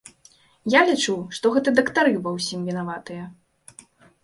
Я лічу, што гэта дактары ва ўсім вінаватыя.